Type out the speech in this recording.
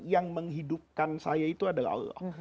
yang menghidupkan saya itu adalah allah